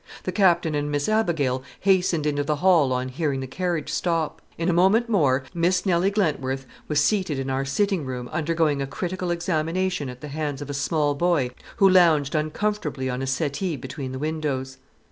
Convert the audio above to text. The Captain and Miss Abigail hastened into the hall on hearing the carriage stop. In a moment more Miss Nelly Glentworth was seated in our sitting room undergoing a critical examination at the hands of a small boy who lounged uncomfortably on a settee between the windows.